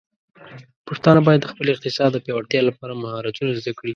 پښتانه بايد د خپل اقتصاد د پیاوړتیا لپاره مهارتونه زده کړي.